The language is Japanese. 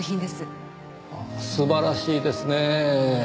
素晴らしいですねぇ。